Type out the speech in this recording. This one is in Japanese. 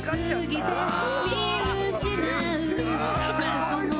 すごいぞ！